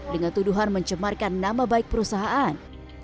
dengan tuduhan mencemarkan nama baik perusahaan